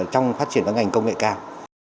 trong phát triển các ngành công nghệ cao